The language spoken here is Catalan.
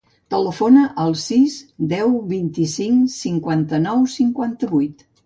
Telefona al sis, deu, vint-i-cinc, cinquanta-nou, cinquanta-vuit.